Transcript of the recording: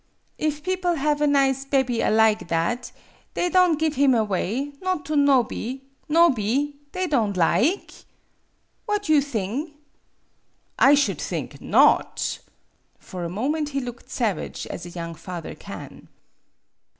"If people have a nize bebby alig that, they don' give him away, not to nob'y ndb'y they don' lig? What you thing?" " I should think not !" For a moment he looked savage as a young father can.